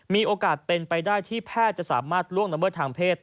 มีโอกาสเป็นไปได้ที่แพทย์จะสามารถล่วงละเมิดทางเพศ